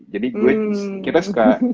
jadi gue kita suka